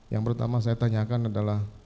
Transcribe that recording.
yang pertama saya tanyakan adalah